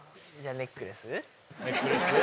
ネックレス？